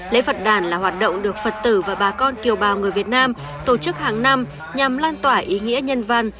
lễ phật đàn là hoạt động được phật tử và bà con kiều bào người việt nam tổ chức hàng năm nhằm lan tỏa ý nghĩa nhân văn